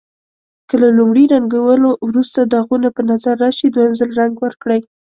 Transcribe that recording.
که له لومړي رنګولو وروسته داغونه په نظر راشي دویم ځل رنګ ورکړئ.